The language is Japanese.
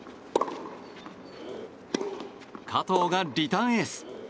加藤がリターンエース！